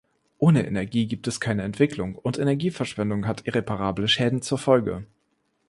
Ohne Energie gibt es keine Entwicklung, und Energieverschwendung hat irreparable Schäden zur Folge.